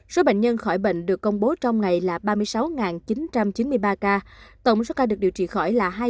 số bệnh nhân khỏi bệnh được công bố trong ngày là ba mươi sáu chín trăm chín mươi ba ca tổng số ca được điều trị khỏi là hai bảy trăm một mươi tám bốn trăm bốn mươi ca